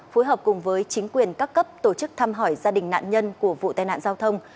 phối hợp cùng với chính quyền các cấp tổ chức thăm hỏi gia đình nạn nhân của vụ tai nạn giao thông